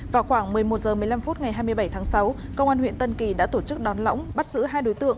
vào khoảng một mươi một h một mươi năm phút ngày hai mươi bảy tháng sáu công an huyện tân kỳ đã tổ chức đón lõng bắt giữ hai đối tượng